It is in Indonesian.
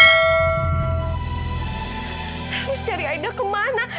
harus cari aida kemana